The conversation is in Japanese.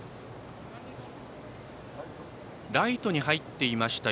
ライトに入っていました